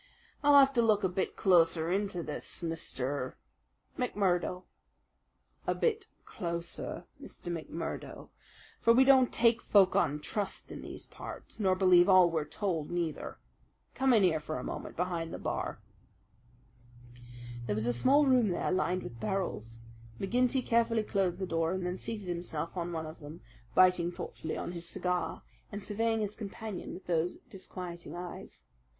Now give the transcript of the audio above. "I'll have to look a bit closer into this, Mister " "McMurdo." "A bit closer, Mr. McMurdo; for we don't take folk on trust in these parts, nor believe all we're told neither. Come in here for a moment, behind the bar." There was a small room there, lined with barrels. McGinty carefully closed the door, and then seated himself on one of them, biting thoughtfully on his cigar and surveying his companion with those disquieting eyes.